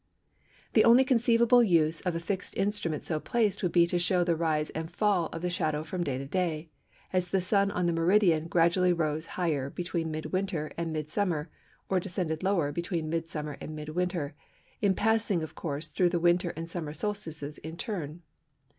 The only conceivable use of a fixed instrument so placed would be to show the rise and fall of the shadow from day to day, as the Sun on the meridian gradually rose higher between mid winter and mid summer, or descended lower between mid summer and mid winter, in passing of course through the winter and summer solstices in turn.